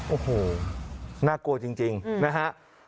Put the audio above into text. โอ้โหน่ากลัวจริงนะฮะ